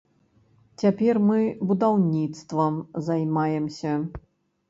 Цяпер мы будаўніцтвам займаемся.